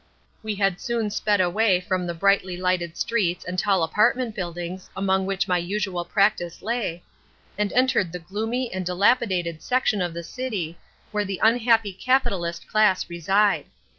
We had soon sped away from the brightly lighted streets and tall apartment buildings among which my usual practice lay, and entered the gloomy and dilapidated section of the city where the unhappy capitalist class reside.